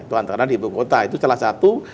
tuhan karena ibukota itu salah satu